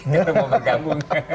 yang mau bergabung